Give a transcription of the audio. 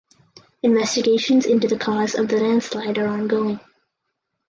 Investigations into the cause of the landslide are ongoing.